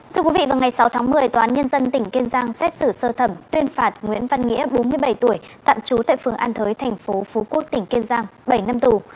thưa quý vị vào ngày sáu tháng một mươi tòa án nhân dân tỉnh kiên giang xét xử sơ thẩm tuyên phạt nguyễn văn nghĩa bốn mươi bảy tuổi tạm trú tại phường an thới thành phố phú quốc tỉnh kiên giang bảy năm tù